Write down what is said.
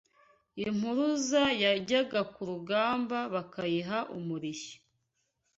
impuruza yajyaga ku karubanda bakayiha umurishyo